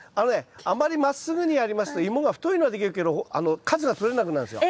あまりまっすぐにやりますとイモが太いのはできるけど数がとれなくなるんですよ。